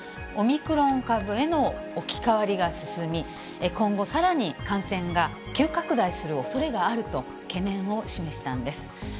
オミクロン株への置き換わりが進み、今後さらに感染が急拡大するおそれがあると懸念を示したんです。